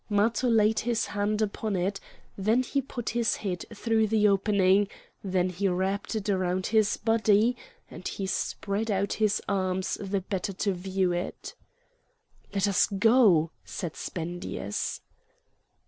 Matho laid his hand upon it; then he put his head through the opening, then he wrapped it about his body, and he spread out his arms the better to view it. "Let us go!" said Spendius.